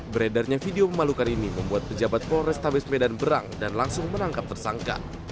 beredarnya video memalukan ini membuat pejabat polres tabes medan berang dan langsung menangkap tersangka